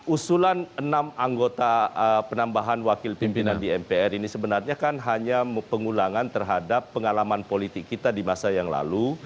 usulan enam anggota penambahan wakil pimpinan di mpr ini sebenarnya kan hanya pengulangan terhadap pengalaman politik kita di masa yang lalu